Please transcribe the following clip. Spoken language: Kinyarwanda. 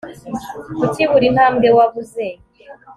kuri buri ntambwe wabuze